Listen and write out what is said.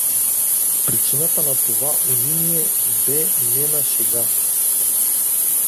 Причината на това униние бе не на шега.